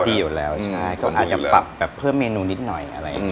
เขาอาจจะเปิดเพิ่มเมนูนิดหน่อย